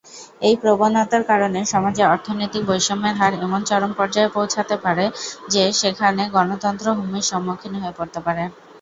এই প্রবণতার কারণে সমাজে অর্থনৈতিক বৈষম্যের হার এমন চরম পর্যায়ে পৌঁছাতে পারে, যে সেখানে গণতন্ত্র হুমকির সম্মুখীন হয়ে পড়তে পারে।